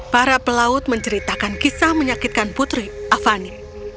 para pelaut menceritakan kisah menyakitkan putri avani